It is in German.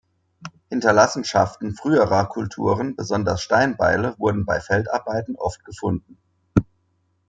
Hinterlassenschaften früherer Kulturen, besonders Steinbeile, wurden bei Feldarbeiten oft gefunden.